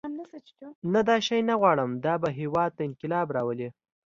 نه دا شی نه غواړم دا به هېواد ته انقلاب راولي.